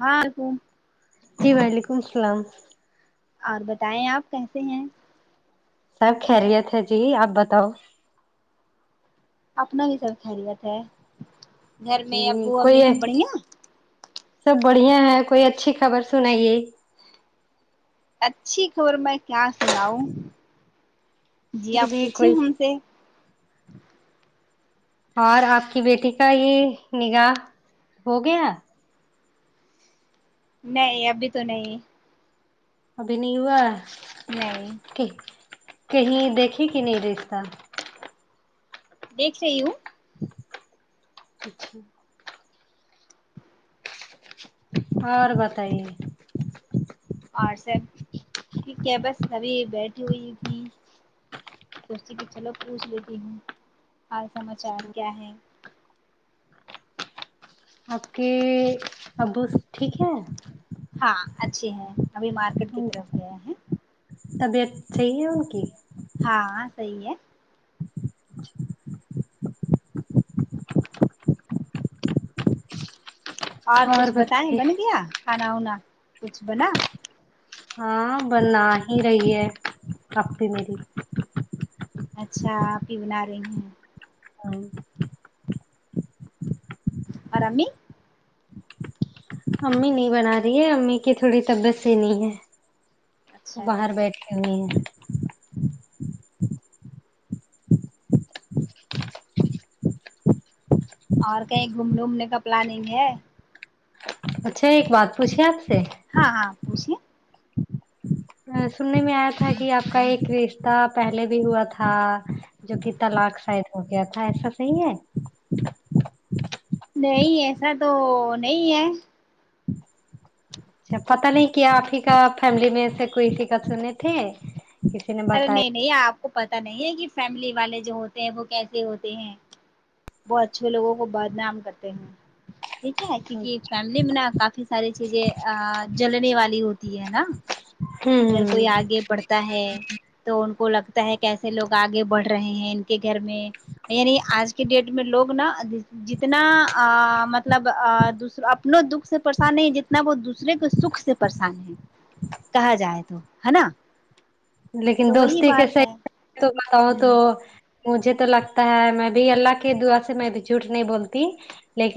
ہاں کو جی وعلیکم السلام اور بتائیں آپ کیسے ہیں سب خیریت ہے جی آپ بتاؤ اپنا بھی سب خیریت ہے گھر میں جی ابو کوئی امی سب بڑھیا سب بڑھیا ہے کوئی اچھی خبر سنائیے اچھی خبر میں کیا سناؤ جی پھر آپ بھی پوچھے کوئی ہم سے اور آپ کی بیٹی کا یہ نگاہ ہو گیا نہیں ابھی تو نہیں ابھی نہیں ہوا نہیں ٹھیک کہیں دیکھے کہ نہیں رشتہ دیکھ رہی ہوں اچھا اور بتائیے اور سب ٹھیک ہے بس ابھی بیٹھی ہوئی تھی سوچے کہ چلو پوچھ لیتی ہوں حال سماچار کیا ہے آپ کے ابو ٹھیک ہے ہاں اچھے ہیں ابھی مارکیٹ کی طرف گئے ہیں طبیعت صحیح ہے ان کی ہاں صحیح ہے [unintelligible] اور کچھ بتائے بن گیا کھانا وانا کچھ بنا ہاں بنا ہی رہی ہے آپی میری اچھا آپی بنا رہی ہیں [inaudible] اور امی امی نہیں بنا رہی ہے امی کی تھوڑی طبیعت صحیح نہیں ہے اچھا تو باہر بیٹھ [unintelligible] اور کہیں گھومنے وومنے کا پلاننگ ہے اچھا ایک بات پوچھیے آپ سے ہاں ہاں پوچھئے سننے میں آیا تھا کہ آپ کا ایک رشتہ پہلے بھی ہوا تھا جو کہ طلاق شاید ہو گیا تھا ایسا صحیح ہے نہیں ایسا تو نہیں ہے اچھا پتا نہیں کیا آپ ہی کا فیملی میں سے کوئی [unintelligible] سنے تھے نے ارے نہیں بتایا نہیں آپ کو پتہ نہیں ہے کہ فیملی والے جو ہوتے ہیں وہ کیسے ہوتے ہیں وہ اچھے لوگوں کو بدنام کرتے ہیں ٹھیک ہے ہوں کیونکہ فیملی میں نا کافی ساری چیزیں ا جلنے والی ہوتی ہے نا اگر کوئی ہوں آگے بڑھتا ہے تو ان کو لگتا ہے کیسے لوگ آگے بڑھ رہے ہیں ان کے گھر میں یعنی آج کے ڈیٹ میں لوگ نا جتنا ا مطلب ا دوسر اپنے دکھ سے پریشان نہیں جتنا وہ دوسرے کے سکھ سے پریشان ہے کہا جائے تو ہے نا لیکن تو وہی دوستی کے بات ہے [unintelligible] تو بتاؤ ہ تو مجھے تو لگتا ہے میں بھی اللہ کی دعا سے میں بھی جھوٹ نہیں بولتی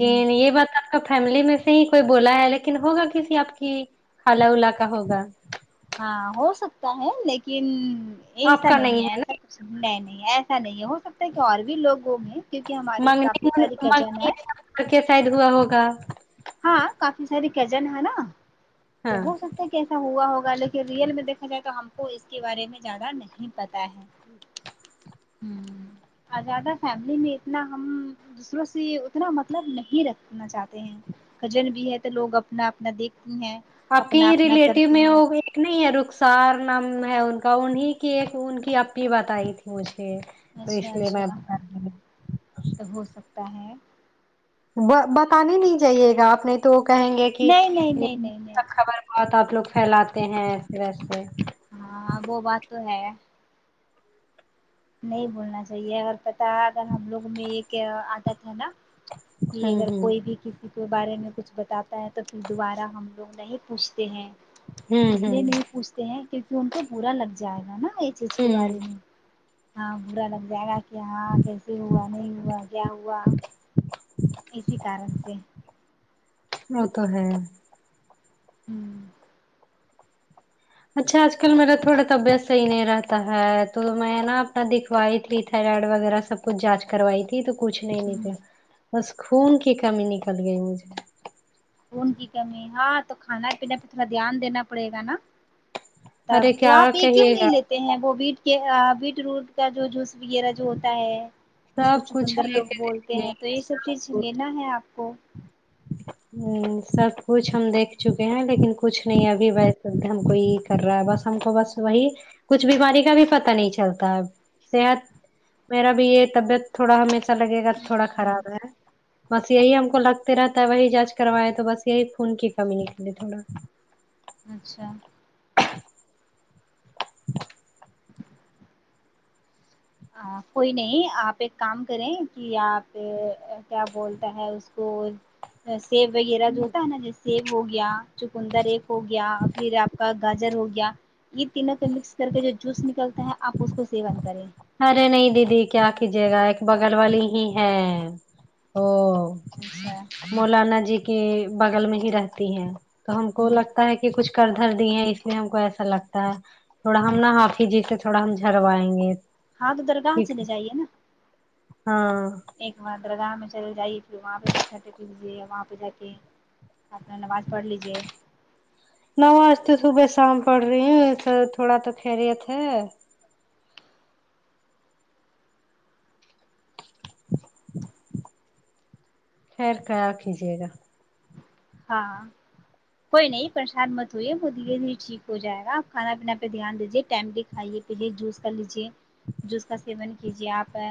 ہ یہ بات تو آپ کا فیملی میں سے ہی کوئی بولا ہے لیکن ہوگا کسی آپ کی خالا ولا کا ہوگا ہاں ہو سکتا ہے لیکن ایسا نہیں ہے ایسا نہیں نہیں ایسا نہیں ہے ہو سکتا کہ اور بھی لوگوں میں کیونکہ نا ہماری کافی منگنی ساری کجین منگنی ہے کر کے شاید ہوا ہوگا ہاں کافی ساری کزن ہے نا تو ہاں ہو سکتا ایسا ہوا ہوگا لیکن ریئل میں دیکھا جائے تو ہم کو اس کے بارے میں زیادہ نہیں پتہ ہے ہمم اور زیادہ فیملی میں اتنا ہم دوسروں سے اتنا مطلب نہیں رکھنا چاہتے ہیں کزن بھی ہے تو لوگ اپنا اپنا دیکھتی ہیں آپ کے اپنا ہی اپنا ریلیٹیو کرتی میں ہیں ہوگی نہیں ہے رخسار نام ہے ان کا انہیں کی ایک ان کی اپی بتائی تھی مجھے تو اچھا اس لیے میں اچھا بتا رہی ہوں تو ہو سکتا ہے وا بتانے نہیں جاۓ گا آپ نیئی تو وہ کہیں گے کہ نہیں نہیں نہیں نہیں نہیں سب خبر بات آپ لوگ پھیلاتے ہیں اس طرح سے ہاں وہ بات تو ہے نہیں بولنا چاہیے ا پتا اگر ہم لوگ میں ایک عادت ہے نا یہ ہوں اگر ہوں کوئی بھی کسی کے بارے میں کچھ بتاتا ہے تو پھر دوبارہ ہم لوگ نہیں پوچھتے ہیں ہوں اس لیے ہوں نہیں پوچھتے ہیں کیونکہ ان کو برا لگ جائے گا نا یہ چیز کے ہوں بارے میں ہاں برا لگ جائے گا کہ ہاں کیسے ہوا نہیں ہوا کیا ہوا [inaudible] اسی کارن سے وہ تو ہے ہوں اچھا آج کل میرا تھوڑا طبیعت صحیح نہیں رہتا ہے تو میں نا اپنا دکھ تھ تھرائڈ وغیرہ سب کچھ جانچ کروائی تھی تو کچھ نہیں نکلا بس خون کی کمی نکل گئی مجھے خون کی کمی ہاں تو کھانا پینے پہ تھوڑا دھیان دینا پڑے گا نا تب ارے تو کیا آپ ایک کیوں کہیے گا نہیں لیتے ہیں وہ بیٹ کے بیٹ روٹ کا جو جوس وغیرہ جو ہوتا ہے جس کو سب کچھ چکندر لے لوگ کے دیکھ بولتے ہیں تو یہ سب چیز لیں لینا ہے آپ کو [inaudible] ہ سب کچھ ہم دیکھ چکے ہیں لیکن کچھ نہیں ابھی و سکتے ہم کوئی کر رہا ہے بس ہم کو بس وہی کچھ بیماری کا بھی پتا نہیں چلتا ہے صحت میرا بھی یہ طبیعت تھوڑا ہمیشہ لگے گا تھوڑا ہوں خراب ہے بس یہی ہم کو لگتے رہتا ہے وہی جانچ کروائے تو بس یہی خون کی کمی نکلیے تھوڑا اچھا کوئی نہیں آپ ایک کام کریں کہ آپ کیا بولتے ہے اس کو سیب وغیرہ جو ہوتا ہے نا جیسے سیب ہو گیا چکندر ایک ہو گیا پھر آپ کا گاجر ہو گیا یہ تینوں کو مکس کر کے جو جوس نکلتا ہے آپ اس کو سیون کریں ارے نہیں دیدی کیا کیجیے گا ایک بغل والی ہی ہے وہ اچھا مولانا جی کے بغل میں ہی رہتی ہیں تو ہم کو ہ لگ تا ہے کہ کچھ کر دھر دی ہیں اس لیے ہم کو ایسا لگتا ہے تھوڑا ہم نا حافظ جی سے تھوڑا ہم جھروائیں گے ہاں تو درگاہ ٹھیک چلے ہے جائیے نا ہاں ایک بار درگاہ میں چلے جائیے پھر وہاں پہ متا ٹک لیجیے وہاں پہ جا کے اپنا نماز پڑھ لیجے نو آج تو صبح شام پڑھ رہی ہے سے تھوڑا تو خیریت ہے خیر خیال کیجیے گا ہاں کوئی نہیں پریشان مت ہویے وہ دھیرے دھیرے ٹھیک ہو جائے گا آپ کھانا پینا پہ دھیان دیجے ٹائم کھائیے پیلیے جوس کر لیجیے جوس کا سیون کیجیے آپ آ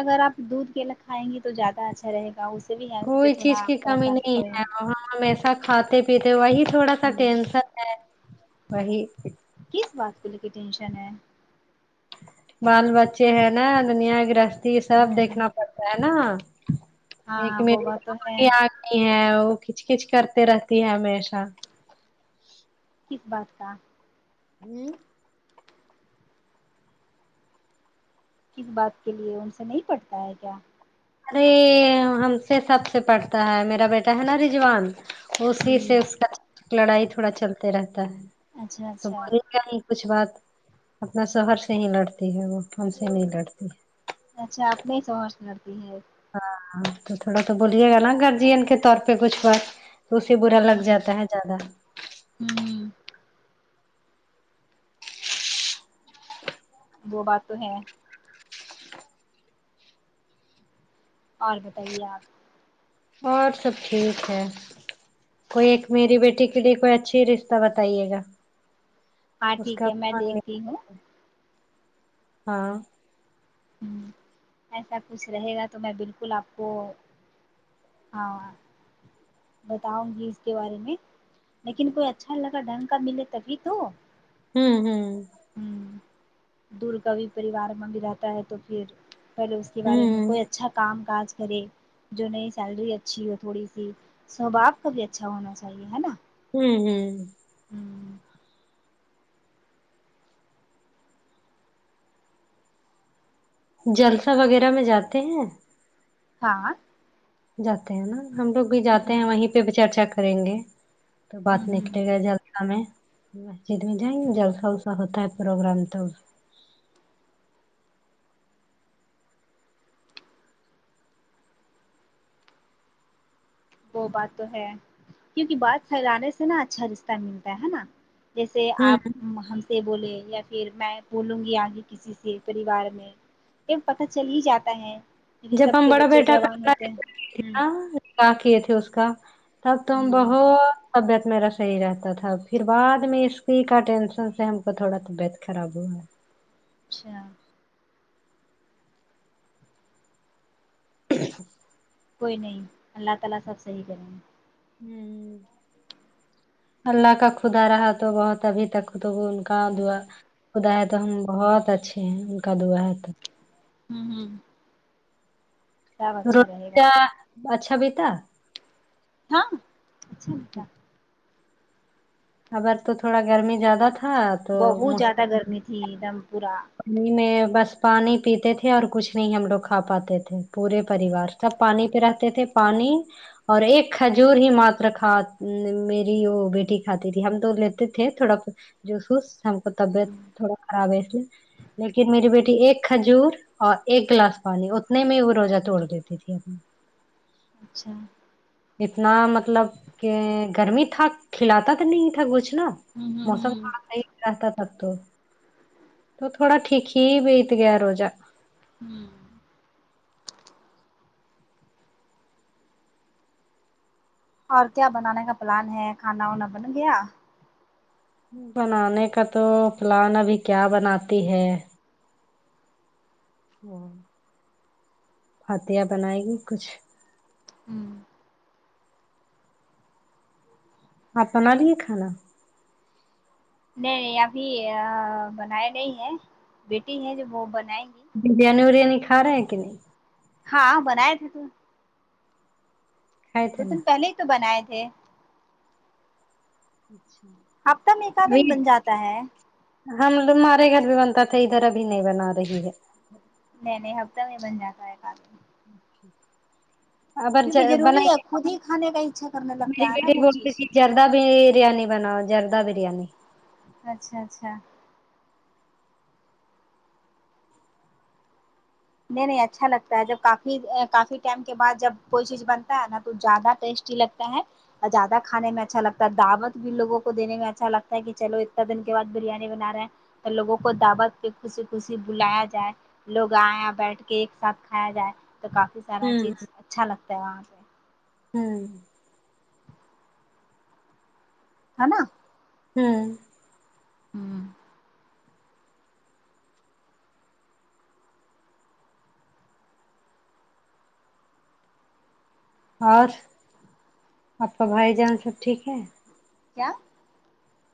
اگر آپ دودھ کیلا کھائیں گی تو زیادہ اچھا رہے گا اس سے بھی ہیلتھ پہ کوئی چیز تھوڑا کی آپ کا کمی اثر نہیں پڑے ہے وہاں ہمیشہ کھاتے پیتے وہی تھوڑا سا ہوں ٹینشن ہے وہی کس بات کو لے کے ٹینشن ہے بال بچے ہیں نا دنیا گرہستی سب ہوں دیکھنا پڑتا ہے نا ایک ہاں وہ بات تو ہے میری آتی ہے وہ کھچ کچ کرتے رہتی ہے ہمیشہ کس بات کا ہم کس بات کے لیے ان سے نہیں پڑتا ہے کیا ارے ہم سے سب سے پڑھتا ہے میرا بیٹا ہے نا رضوان اسی سے ہوں اس کا لڑائی تھوڑا چلتے رہتا ہے اچھا تو اچھا بولی کیا ہی کچھ بات اپنا شوہر سے ہی لڑتی ہے وہ ہم سے نہیں لڑتی ہے اچھا اپنے ہی شوہر سے لڑتی ہے ہاں تو تھوڑا تو بولیے گا نا گرجین کے طور پہ کچھ بات تو اسے برا ہوں لگ ہوں جاتا ہے زیادہ ہوں ہوں، وہ بات تو ہے اور بتائیے آپ اور سب ٹھیک ہے کوئی ایک میری بیٹی کے لیے کوئی اچھی رشتہ بتائیے گا ہاں اسکا ٹھیک ہے میں دیکھتی ہوں [unintelligible] ہاں ایسا کچھ رہے گا تو میں بالکل آپ کو ہاں بتاؤں گی اس کے بارے میں لیکن کوئی اچھا لگا ڈھنگ کا ملے تبھی تو ہممم ہمم ھمم دور کا بھی پریوار میں بھی رہتا ہے تو پھر پر اس کے بارے میں ہوں کوئی اچھا کام کاج کرے جو نہیں سیلری اچھی ہو تھوڑی سی سوبہاو کا بھی اچھا ہونا چاہیے ہے نا ہمم ہمم ھمم جلسہ وغیرہ میں جاتے ہیں ہاں جاتے ہیں نا ہم لوگ بھی ہ جاتے ہیں وہیں ہ پہ بھی چرچا کریں گے تو بات نکلے ہ گا جلسہ میں مسجد میں جائیں گے جلسہ ولسہ ہوتا ہے پروگرام تو وہ بات تو ہے کیونکی بات پھیلانے سے نا اچھا رشتہ ملتا ہے نا جیسے ہوں آپ ہم سے بولے یا پھر میں بولوں گی آگے کسی سے پریوار میں پتا چل ہی جاتا ہے کیوکی جب سب ہم کے بڑا بچے جوان ہوتے ہیں کیا کیے تھے اس کا تب تم ہوں بہت طبیعت میرا صحیح رہتا تھا پھر بعد میں اسی کا ٹینشن سے ہم کو تھوڑا طبیعت خراب ہوا ہے اچھا کوئی نہیں اللہ تعالی سب صحیح کریں گے ھمم اللہ کا خدا رہا تو بات ابھی تک قبول ان کا ہ دعا خدا ہے تو ہم بہت اچھے ہیں ان کا دعا ہے تو ھمم ھمم روٹ رہے گا کا اچھا بھی تھا ہاں اچھا ہی تھا اگر تو تھوڑا گرمی زیادہ تھا تو مشکل کیدم پورہ گرمی میں بس پانی پیتے تھے اور کچھ نہیں ہم لوگ کھا پاتے تھے پورے پریوار سب پانی پہ رہتے تھے پانی اور ایک کھجور ہی ماتر کھا میری وہ بیٹی کھاتی تھی ہم تو لیتے تھے تھوڑا جوس ووس ہم کو طبیعت تھوڑا خراب ہے اس لیے لیکن میری بیٹی ایک کھجور اور ایک گلاس پانی اتنے ہی میں وہ روزہ توڑ دیتی تھی اچھا اتنا مطلب کہ گرمی تھا کھلاتا تو نہیں تھا کچھ ناں ہوں موسم ہوں تھوڑا صحیح رہتا تب تو تو تھوڑا ٹھیک ہی بیت گیا روزہ [inaudible] اور کیا بنانے کا پلان ہے کھانا وانا بن گیا بنانے کا تو پلان ابھی کیا بناتی ہے ہوں عطیہ بنائے گی کچھ ہوں آپ بنالیے کھانا نہیں ابھی بنایا نہیں ہے بیٹی ہے جو وہ بنائیں گی بریانی وریانی کھا رہے ہیں کہ نہیں ہاں بنائے تھے تو کھائے دو تھے نا دن پہلے ہی تو بنائے تھے [inaudible] ہفتہ میں ایک آ دن ابھی بن جاتا ہے ہم لوگ ہمارے گھر بھی بنتا تھا ادھر ابھی نہیں بنا رہی ہے نہیں نہیں ہفتہ میں بن جاتا ہے ایک آد دن اچھا کیونکہ ضروری ہے خود ہی کھانے کا اچھا کرنے لگتا ہے ناں وہ چیز جردہ بریانی بناؤ جردہ بریانی اچھا اچھا اچھا نہیں نہیں اچھا لگتا ہے جب کافی کافی ٹائم کے بعد جب کوئی چیز بنتا ہے نا تو زیادہ ٹیسٹ جی لگتا ہے اور زیادہ کھانے میں اچھا لگتا ہے دعوت بھی لوگوں کو دینے میں اچھا لگتا ہے کہ چلو اتنا دن کے بعد بریانی بنا رہے ہیں تو لوگوں کو دعوت پہ خوشی خوشی بلایا جائے لوگ آئیں بیٹھ کے ایک ساتھ کھایا جائے تو کافی سارا ہوں چیز اچھا لگتا ہے وہاں پہ ہوں ہے ناں ہوں ہوں اور آپ کا بھائی جان سب ٹھیک ہے کیا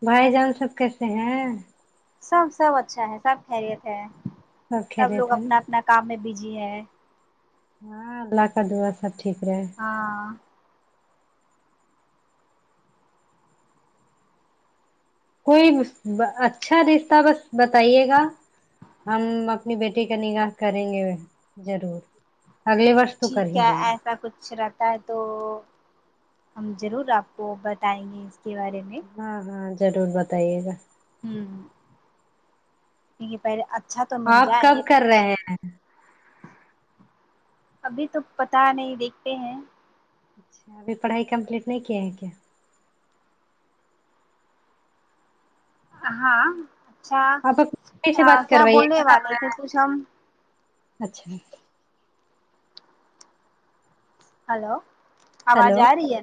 بھائی جان سب کیسے ہیں سب سب اچھا ہے سب خیریت ہے سب لوگ خیریت ہے نا اپنا اپنا کام میں بزی ہے ہاں اللہ کا دعا سب ٹھیک رہے ہاں کوئی اچھا رشتہ بس بتائیے گا ہم اپنی بیٹی کا نکاح کریں گے ضرور اگلے ورس ٹھیک ہے ایسا کچھ لگ تا ہے تو ہم ضرور آپ کو بتائیں گے اس کے بارے میں ہاں ہاں ضرور بتائیے گا ہمم کیونکہ پہلے اچھا تو مل آپ جائے کب ایک کر اچھا رہے ہیں ابھی تو پتا نہیں دیکھتے ہیں ا اھی پڑھائی کمپلیٹ نہیں کیے ہیں کیا ہاں اچھا آپ اپنے سے بات کیا کروائیے بولنے گا والے تھے کچھ ہم اچھا ہیلو آواز ہلو آ رہی ہے